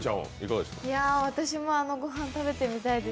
私も、あのご飯食べてみたいです。